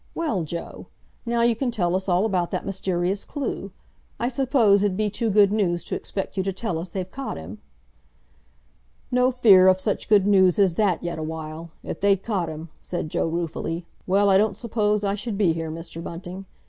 "Well, Joe? Now you can tell us all about that mysterious clue. I suppose it'd be too good news to expect you to tell us they've caught him?" "No fear of such good news as that yet awhile. If they'd caught him," said Joe ruefully, "well, I don't suppose I should be here, Mr. Bunting.